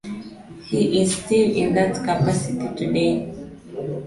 He is still in that capacity today.